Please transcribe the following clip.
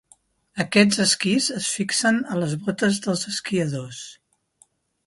Aquests esquís es fixen a les botes dels esquiadors.